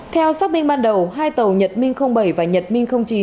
theo xác minh ban đầu hai tàu nhật minh bảy và nhật minh chín